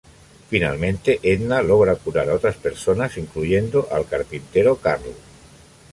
Finalmente, Edna logra curar a otras personas, incluyendo al carpintero Carl.